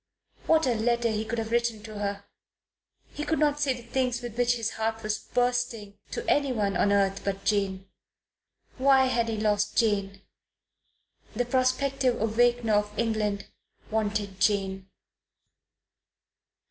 What a letter he could have written to her! He could not say the things with which his heart was bursting to anyone on earth but Jane. Why had he lost Jane? The prospective Awakener of England wanted Jane.